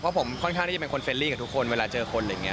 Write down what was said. เพราะผมค่อนข้างที่จะเป็นคนเฟรลี่กับทุกคนเวลาเจอคนอะไรอย่างนี้